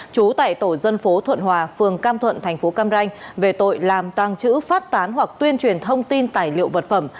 trú tại tổ dân phố thuận hòa phường cam thuận tp cam ranh về tội làm tàng trữ phát tán hoặc tuyên truyền thông tin tài liệu vật phẩm